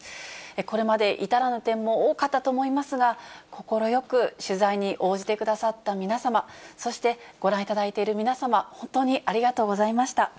これまで至らぬ点も多かったと思いますが、快く取材に応じてくださった皆様、そしてご覧いただいている皆様、本当にありがとうございました。